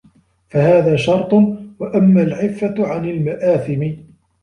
فَهَذَا شَرْطٌ وَأَمَّا الْعِفَّةُ عَنْ الْمَآثِمِ